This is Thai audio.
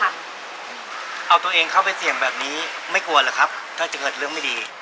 เอาตัวเองเข้าไปเสี่ยงแบบนี้ไม่กลัวหรอกครับถ้าจะเกิดเรื่องไม่ดี